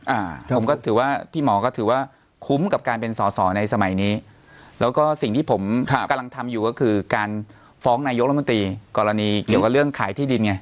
อ่าผมก็ถือว่าพี่หมอก็ถือว่าคุ้มกับการเป็นสอสอในสมัยนี้แล้วก็สิ่งที่ผมครับกำลังทำอยู่ก็คือการฟ้องนายกรัฐมนตรีกรณีเกี่ยวกับเรื่องขายที่ดินไง